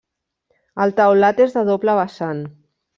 El teulat és de doble vessant.